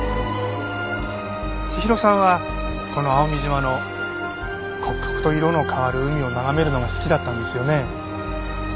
千尋さんはこの蒼海島の刻々と色の変わる海を眺めるのが好きだったんですよね？